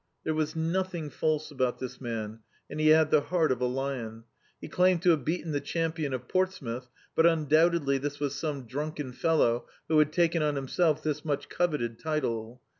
There was noth ing false about this man, and he had the heart of a Hon. He claimed to have beaten the champion of Portsmouth, but undoubtedly this was some drunken fellow who had taken on himself this much coveted title.